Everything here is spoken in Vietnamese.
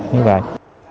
cũng như vậy